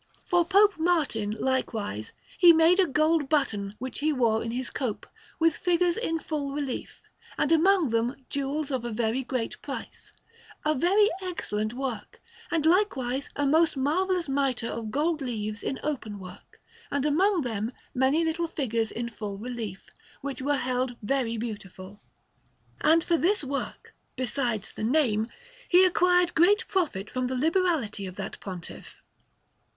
For Pope Martin, likewise, he made a gold button which he wore in his cope, with figures in full relief, and among them jewels of very great price a very excellent work; and likewise a most marvellous mitre of gold leaves in open work, and among them many little figures in full relief, which were held very beautiful. And for this work, besides the name, he acquired great profit from the liberality of that Pontiff.